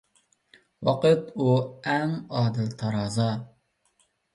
ۋاقىت، ئۇ ئەڭ ئادىل تارازا.